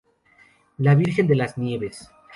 La Virgen de las Nieves.